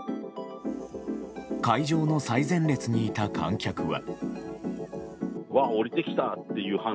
会場の最前列にいた観客は。